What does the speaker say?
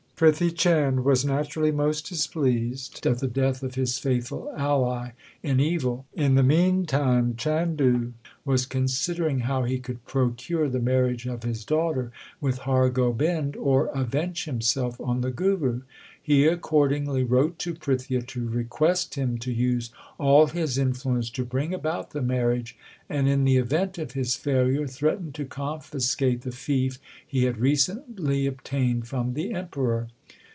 2 Prithi Chand was naturally most displeased at the death of his faithful ally in evil. In the meantime Chandu was considering how he could procure the marriage of his daughter with Har Gobind or avenge himself on the Guru. He accordingly wrote to Prithia to request him to use all his influence to bring about the marriage, and in the event of his failure threatened to confiscate the fief he had recently obtained from the Emperor.